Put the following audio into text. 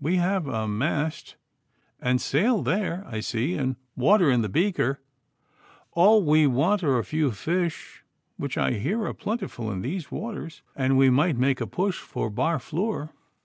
We have a mast and sail there, I see, and water in the beaker. All we want are a few fish, which I hear are plentiful in these waters, and we might make a push for Barfleur.